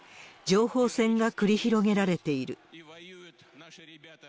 情報戦が繰り広げられている。